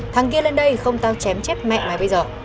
thằng kia lên đây không tao chém chép mẹ mày bây giờ